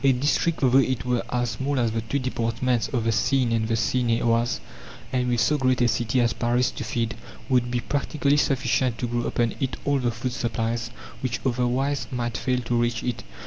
A district, though it were as small as the two departments of the Seine and the Seine et Oise, and with so great a city as Paris to feed, would be practically sufficient to grow upon it all the food supplies, which otherwise might fail to reach it.